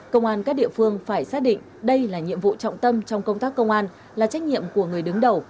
công an các địa phương phải xác định đây là nhiệm vụ trọng tâm trong công tác công an là trách nhiệm của người đứng đầu